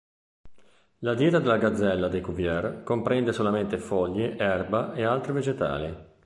La dieta della gazzella di Cuvier comprende solamente foglie, erba e altri vegetali.